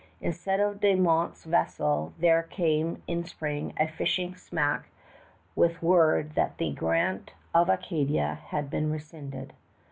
Instead of De Monts' vessel there came in spring a fishing smack with word that the grant of Acadia had been rescinded.